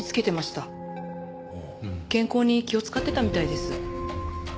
健康に気を使ってたみたいです。